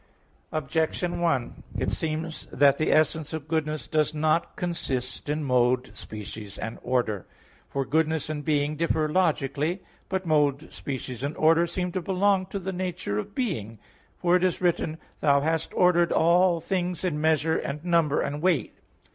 Objection 1: It seems that the essence of goodness does not consist in mode, species and order. For goodness and being differ logically. But mode, species and order seem to belong to the nature of being, for it is written: "Thou hast ordered all things in measure, and number, and weight" (Wis.